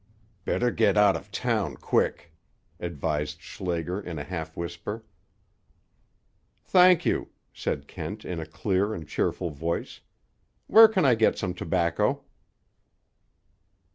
"Better get out of town quick," advised Schlager in a half whisper. "Thank you," said Kent in a clear and cheerful voice. "Where can I get some tobacco?"